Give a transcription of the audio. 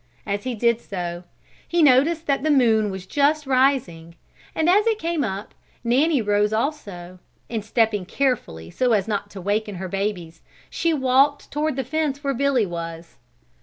As he did so, he noticed that the moon was just rising; and as it came up, Nanny rose also and stepping carefully so as not to waken her babies, she walked toward the fence where Billy was.